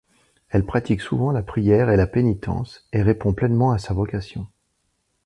Elle pratique souvent la prière et la pénitence, et répond pleinement à sa vocation.